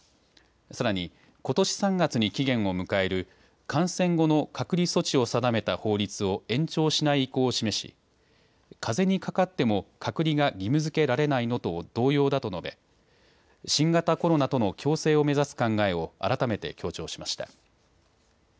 さらにことし３月に期限を迎える感染後の隔離措置を定めた法律を延長しない意向を示しかぜにかかっても隔離が義務づけられないのと同様だと述べ新型コロナとの調整を目指す考えを改めて強調しました。